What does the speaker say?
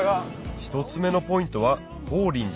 １つ目のポイントは法輪寺